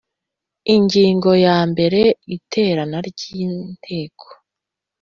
Ingingo ya mbere Iterana ry Inteko